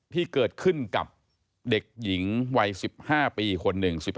ที่เกิดขึ้นกับเด็กหญิงวัย๑๕ปีคนหนึ่ง๑๕